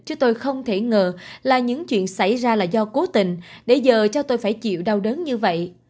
chứ tôi không thể ngờ là những chuyện xảy ra là do cố tình để giờ cho tôi phải chịu đau đớn như vậy